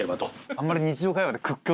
あんまり。